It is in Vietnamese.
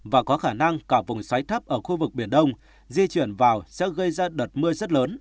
và có khả năng cả vùng xoáy thấp ở khu vực biển đông di chuyển vào sẽ gây ra đợt mưa rất lớn